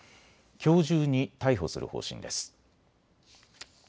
きょう中に逮捕する方針です。